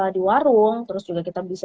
di warung terus juga kita bisa